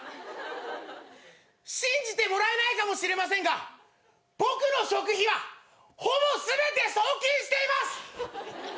信じてもらえないかもしれませんが僕の食費はほぼ全て送金しています！